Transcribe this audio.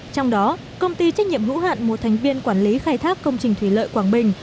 trong đó công ty trách nhiệm hữu hạn một thành viên quản lý khai thác công trình thủy lợi quảng bình